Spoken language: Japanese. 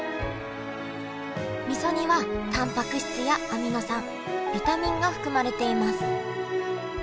みそにはタンパク質やアミノ酸ビタミンが含まれています。